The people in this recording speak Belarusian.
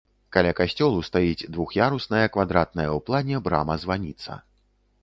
Каля касцёлу стаіць двух'ярусная квадратная ў плане брама-званіца.